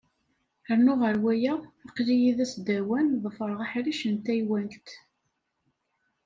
Rnu ɣer waya, aql-iyi d asdawan, ḍefreɣ aḥric n taywalt.